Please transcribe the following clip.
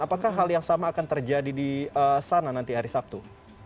apakah hal yang sama akan terjadi di sana nanti hari sabtu